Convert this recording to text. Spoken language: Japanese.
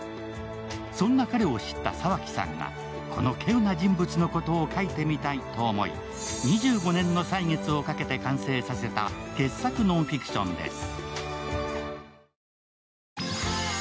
そんな彼を知った沢木さんがこの希有な人物を書いてみたいと思い２５年の歳月をかけて完成させた傑作ノンフィクションです。